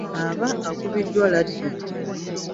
Aba akubiddwa laddu.